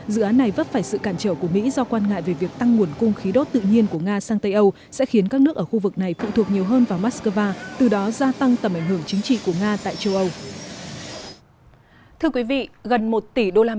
dự án này vấp phải sự cản trở của mỹ do quan ngại về việc tăng nguồn cung khí đốt tự nhiên của nga sang tây âu sẽ khiến các nước ở khu vực này phụ thuộc nhiều hơn vào moscow từ đó gia tăng tầm ảnh hưởng chính trị của nga tại châu âu